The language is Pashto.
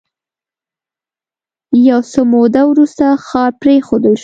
یو څه موده وروسته ښار پرېښودل شو